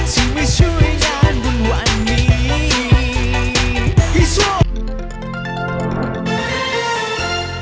สวัสดีครับ